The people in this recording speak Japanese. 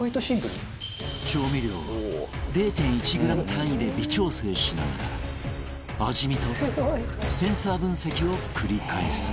調味料を ０．１ グラム単位で微調整しながら味見とセンサー分析を繰り返す